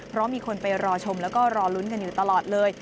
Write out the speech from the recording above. เพราะมีคนไปรอชมแล้วก็รอลุ้นกันอยู่ตลอดเลย